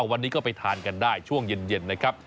วันนี้ก็ไปทานกันได้ช่วงเย็นนะครับ